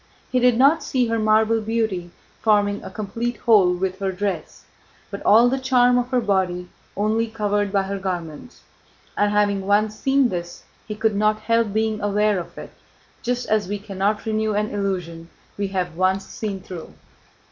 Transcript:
He did not see her marble beauty forming a complete whole with her dress, but all the charm of her body only covered by her garments. And having once seen this he could not help being aware of it, just as we cannot renew an illusion we have once seen through.